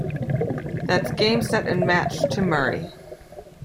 That's Game Set and Match to Murray